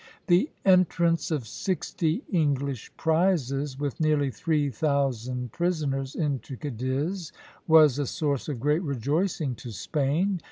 The entrance of sixty English prizes, with nearly three thousand prisoners, into Cadiz, was a source of great rejoicing to Spain.